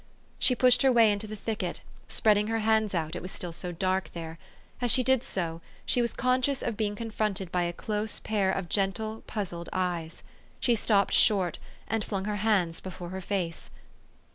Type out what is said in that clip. She pushed her way into the thicket, spreading her hands out, it was still so dark there. As she did so, she was conscious of being confronted by a close pair of gentle, puzzled eyes. She stopped short, and flung her hands before her face.